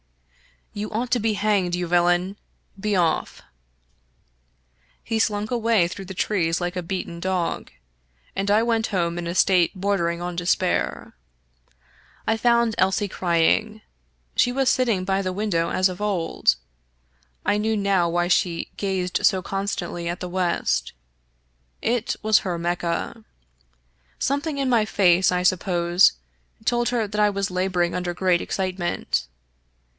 " You ought to be hanged, you villain. Be ofT 1 " He slunk away through the trees like a beaten dog; and I went home in a state bordering on despair. I found Elsie crying. She was sitting by the window as of old. I knew now why she gazed so constantly at the west. It was her Mecca. Something in my face, I suppose, told her that I was laboring under great excitement.